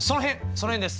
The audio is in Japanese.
その辺です！